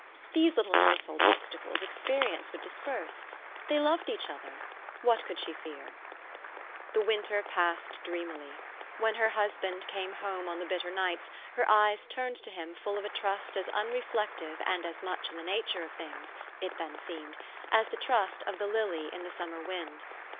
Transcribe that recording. These little household obsta cles, experience would disperse. They loved each other, what could she fear ? The winter passed dreamily. When her husband came home on the bitter nights, her eyes turned to him full of a trust as unreflective and as much in THE STORY OF AVIS. 271 the nature of things, it then seemed, as the trust of the lily in the summer wind.